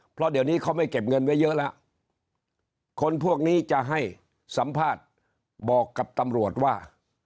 เพราะเดี๋ยวนี้เขาไม่เก็บเงินไว้เยอะแล้วคนพวกนี้จะให้สัมภาษณ์บอกกับตำรวจว่า